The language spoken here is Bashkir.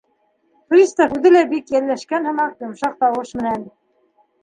Пристав, үҙе лә бик йәлләшкән һымаҡ, йомшаҡ тауыш менән: